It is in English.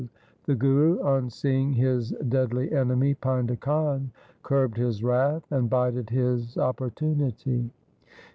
The Guru, on seeing his deadly enemy Painda Khan, curbed his wrath and bided his opportunity.